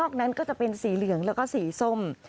นั้นก็จะเป็นสีเหลืองแล้วก็สีส้ม